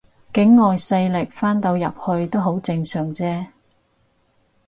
境外勢力翻到入去都好正常啫